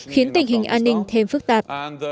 khiến tình hình an ninh thêm phức tạp